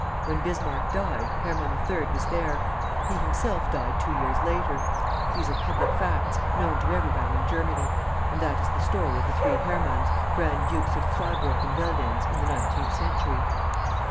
When Bismarck died, Hermann III., was there. He himself died two years later. These are public facts, known to everybody in Germany; and that is the story of the three Hermanns, Grand dukes of Zweibrucken Veldenz in the nineteenth century."